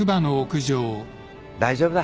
大丈夫だ。